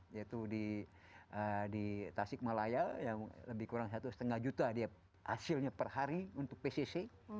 yaitu di tasik malaya yang lebih kurang satu lima juta dia hasilnya per hari untuk pcc